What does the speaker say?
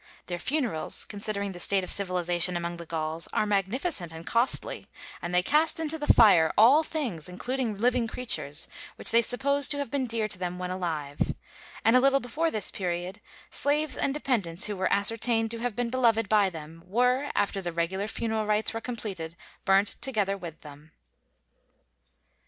Their funerals, considering the state of civilization among the Gauls, are magnificent and costly; and they cast into the fire all things, including living creatures, which they suppose to have been dear to them when alive; and a little before this period, slaves and dependants who were ascertained to have been beloved by them were, after the regular funeral rites were completed, burnt together with them.